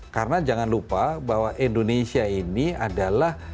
karena jangan lupa bahwa indonesia ini adalah